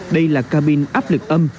đây là cabin áp lực âm